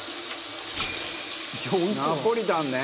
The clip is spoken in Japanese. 「ナポリタンね」